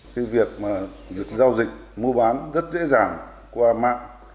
thế việc mà việc giao dịch mua bán rất dễ dàng qua mạng